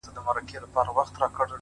د مودو ستړي پر وجود بـانـدي خـولـه راځي-